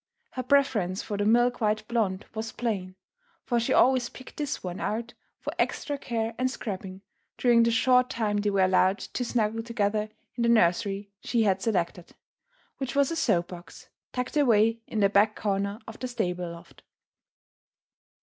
Her preference for the milk white blonde was plain, for she always picked this one out for extra care and scrubbing during the short time they were allowed to snuggle together in the nursery she had selected, which was a soap box tucked away in the back corner of the stable loft.